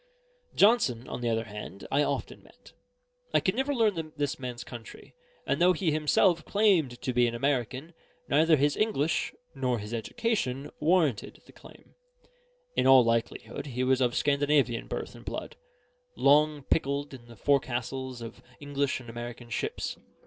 Johnson, on the other hand, I often met. I could never learn this man's country; and though he himself claimed to be American, neither his English nor his education warranted the claim. In all likelihood he was of Scandinavian birth and blood, long pickled in the forecastles of English and American ships.